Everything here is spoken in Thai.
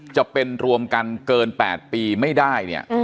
จะเป็นรวมกันเกิน๘ปีไม่ได้เนี่ย